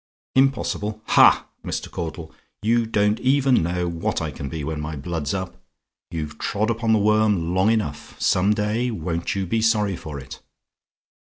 "IMPOSSIBLE? "Ha! Mr. Caudle, you don't know even now what I can be when my blood's up. You've trod upon the worm long enough; some day won't you be sorry for it!